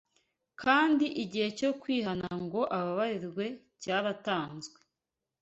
kandi igihe cyo kwihana ngo ababarirwe cyaratanzwe